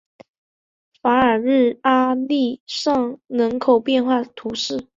法尔日阿利尚人口变化图示